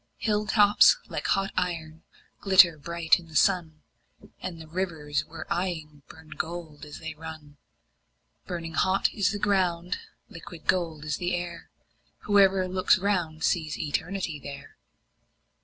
Hill tops like hot iron glitter bright in the sun, And the rivers we're eying burn to gold as they run; Burning hot is the ground, liquid gold is the air; Whoever looks round sees Eternity there.